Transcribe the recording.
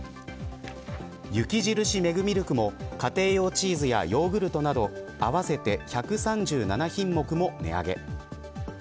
雪印メグミルクも家庭用チーズやヨーグルトなど合わせて１３７品目も値上げ。